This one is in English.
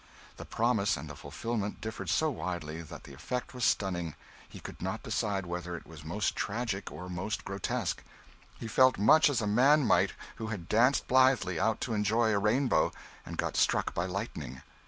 The promise and the fulfilment differed so widely that the effect was stunning; he could not decide whether it was most tragic or most grotesque. He felt much as a man might who had danced blithely out to enjoy a rainbow, and got struck by lightning.